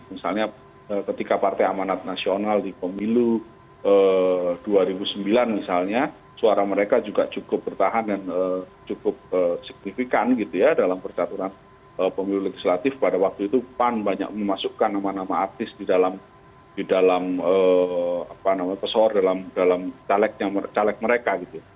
misalnya ketika partai amanat nasional di pemilu dua ribu sembilan misalnya suara mereka juga cukup bertahan dan cukup signifikan gitu ya dalam persaturan pemilu legislatif pada waktu itu pan banyak memasukkan nama nama artis di dalam pesohor dalam caleg mereka gitu